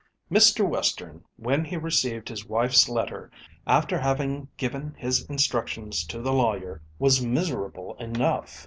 Mr. Western, when he received his wife's letter, after having given his instructions to the lawyer, was miserable enough.